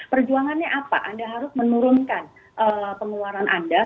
perjuangannya apa anda harus menurunkan pengeluaran anda